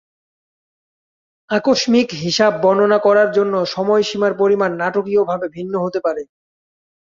আকস্মিক হিসাবে বর্ণনা করার জন্য সময়সীমার পরিমাণ নাটকীয়ভাবে ভিন্ন হতে পারে।